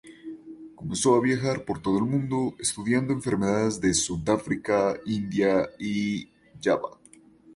Comenzó a viajar por todo el mundo, estudiando enfermedades de Sudáfrica, India y Java.